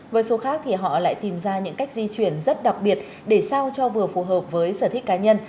với số khác thì họ lại tìm ra những cách di chuyển rất đặc biệt để sao cho vừa phù hợp với sở thích cá nhân